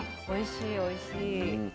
おいしいおいしい。